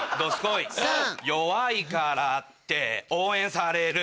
弱いからって応援される。